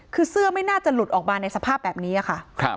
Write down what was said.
คือเสื้อไม่น่าจะหลุดออกมาในสภาพแบบนี้ค่ะ